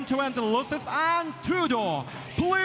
เดชน์ดำรงสอำนวยศิริโชคเคยฟิตซอมอยู่ในค่ายมวยลูกบั้นใหญ่